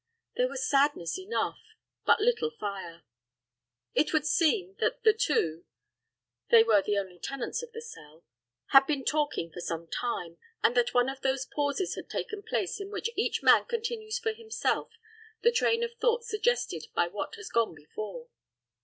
There was sadness enough, but little fire. It would seem that the two they were the only tenants of the cell had been talking for some time, and that one of those pauses had taken place in which each man continues for himself the train of thought suggested by what has gone before.